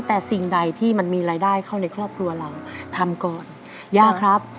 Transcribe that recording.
แต่สิ่งใดที่มันมีรายได้เข้าในครอบครัวเราทำก่อนย่าครับ